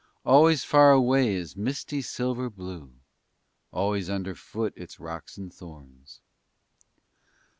Always far away is misty silver blue; Always underfoot it's rocks and thorns.